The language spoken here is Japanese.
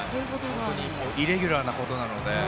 イレギュラーなことなので。